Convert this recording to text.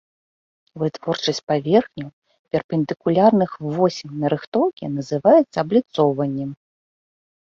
Вытворчасць паверхняў, перпендыкулярных восі нарыхтоўкі, называецца абліцоўваннем.